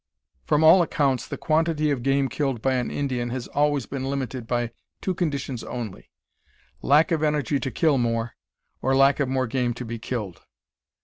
From all accounts the quantity of game killed by an Indian has always been limited by two conditions only lack of energy to kill more, or lack of more game to be killed.